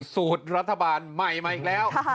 สูตรรัฐบาลใหม่มาอีกแล้ว